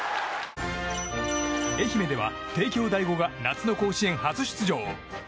愛媛では帝京第五が夏の甲子園初出場。